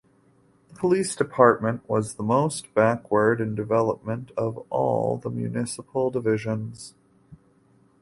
The police department was the most backward in development of all the municipal divisions.